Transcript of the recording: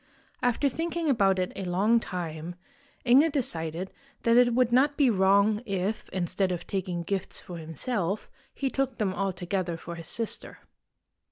After thinking about it a long time, Inge decided that it would not be wrong if, instead of taking gifts for himself, he took them altogether for his sister.